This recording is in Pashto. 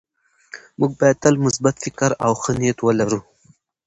موږ باید تل مثبت فکر او ښه نیت ولرو